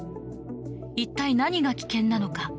一体何が危険なのか。